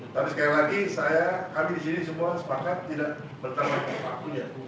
tapi sekali lagi kami disini semua sepakat tidak bertambah kewakunya